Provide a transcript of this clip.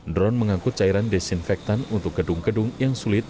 drone mengangkut cairan desinfektan untuk gedung gedung yang sulit